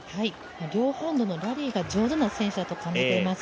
両方とも、ラリーが上手な選手だと感じています。